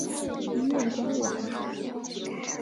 医院官网